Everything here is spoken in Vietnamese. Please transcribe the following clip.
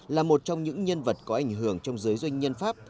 là một trong những nhân vật có ảnh hưởng trong giới doanh nhân pháp